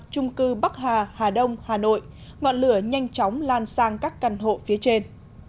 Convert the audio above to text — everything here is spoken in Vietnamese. trung cư bắc hà hà đông hà nội ngọn lửa nhanh chóng lan sang các căn hộ phía trên